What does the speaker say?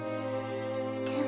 でも。